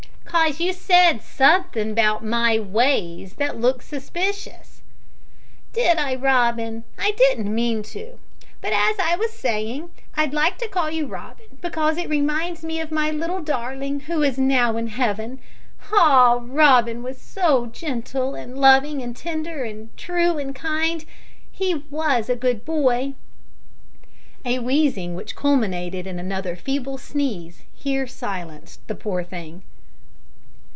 "'Cause you said suthin' about my ways that looks suspicious." "Did I, Robin? I didn't mean to. But as I was saying, I'd like to call you Robin because it reminds me of my little darling who is now in heaven. Ah! Robin was so gentle, and loving, and tender, and true, and kind. He was a good boy!" A wheezing, which culminated in another feeble sneeze, here silenced the poor old thing.